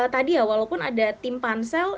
tadi ya walaupun ada tim pansel